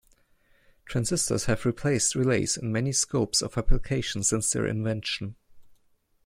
Transistors have replaced relays in many scopes of application since their invention.